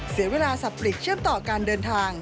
เสียเวลาสับปลีกเชื่อมต่อการเดินทาง